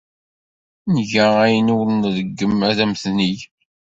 Nga ayen ay nṛeggem ad am-t-neg.